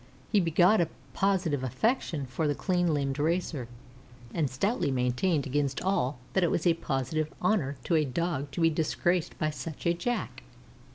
He begot a positive affection for the clean limbed racer, and stoutly maintained against all that it was a positive honor to a Dog to be disgraced by such a Jack.